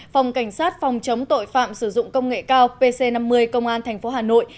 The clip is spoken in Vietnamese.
phòng cảnh sát phòng chống tội phạm sử dụng công nghệ cao pc năm mươi công an tp hà nội